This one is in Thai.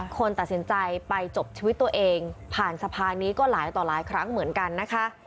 คนตัดสินใจไปจบชีวิตตัวเองผ่านสะพานนี้ก็หลายต่อหลายครั้งเหมือนกันนะคะ